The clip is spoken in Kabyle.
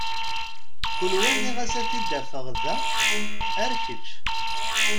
Kul wa nniɣ-as ad t-id-afeɣ da ar kečč.